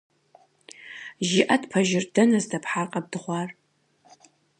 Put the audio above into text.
ЖыӀэт пэжыр, дэнэ здэпхьар къэбдыгъуар?